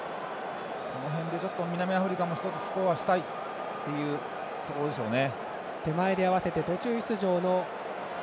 この辺で、南アフリカも１つ、スコアしたいところですね。